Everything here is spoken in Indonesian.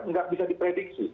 tidak bisa diprediksi